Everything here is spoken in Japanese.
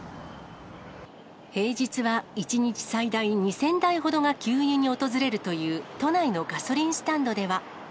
平日は１日最大２０００台ほどが給油に訪れるという都内のガソリンスタンドでは。